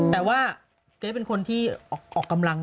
แต่ว่าเกรทเป็นคนที่ออกกำลัง